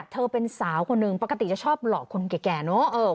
เธอเป็นสาวคนหนึ่งปกติจะชอบหลอกคนแก่เนอะ